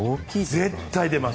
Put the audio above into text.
絶対出ます。